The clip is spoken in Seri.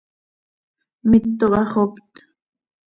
¡Mito haxopt!